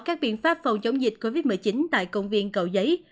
các biện pháp phòng chống dịch covid một mươi chín tại công viên cầu giấy